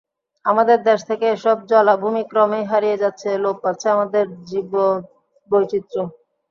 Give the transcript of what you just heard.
আমাদের দেশ থেকে এসব জলাভূমি ক্রমেই হারিয়ে যাচ্ছে, লোপ পাচ্ছে আমাদের জীববৈচিত্র্য।